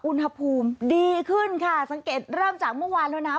อุณหภูมิดีขึ้นค่ะสังเกตเริ่มจากเมื่อวานแล้วนะ